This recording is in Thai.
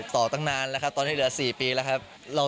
ต่อตั้งนานแล้วครับตอนนี้เหลือ๔ปีแล้วครับ